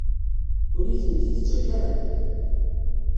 Ur iyi-tent-id-tettak ara?